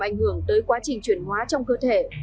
ảnh hưởng tới quá trình chuyển hóa trong cơ thể